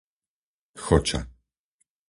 Choča